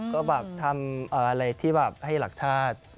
ก็ทำอะไรที่ให้หลักชาติ